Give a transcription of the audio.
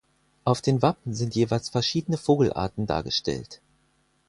Auf den Wappen sind jeweils verschiedene Vogelarten dargestellt.